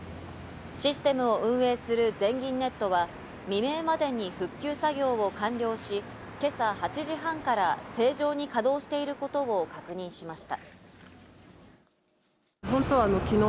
システムを運営する全銀ネットは未明までに復旧作業を完了し、今朝８時半から正常に稼働していることを確認しました。